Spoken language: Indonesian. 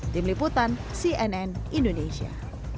tim liputan cnn indonesia